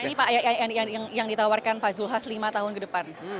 ini pak yang ditawarkan pak zulhas lima tahun ke depan